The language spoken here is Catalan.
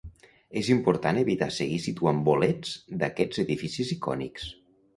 És important evitar seguir situant bolets d’aquests edificis icònics.